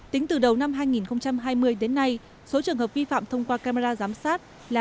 tính từ đầu năm hai nghìn hai mươi đến nay số trường hợp vi phạm thông qua camera giám sát là bốn hai trăm linh trường hợp